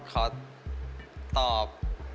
ขอตอบ